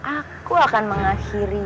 aku akan mengakhiri